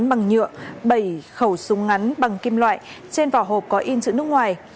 bằng nhựa bảy khẩu súng ngắn bằng kim loại trên vỏ hộp có in chữ nước ngoài